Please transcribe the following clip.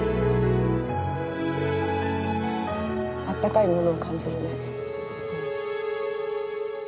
あったかいものを感じるね。